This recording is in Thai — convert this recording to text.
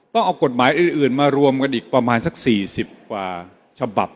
ต้องเอากฎหมายอื่นมารวมกันอีกประมาณสัก๔๐กว่าฉบับ